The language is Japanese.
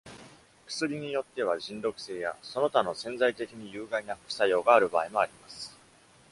薬によっては、腎毒性やその他の潜在的に有害な副作用がある場合もあります。